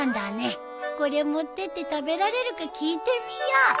これ持ってって食べられるか聞いてみよう。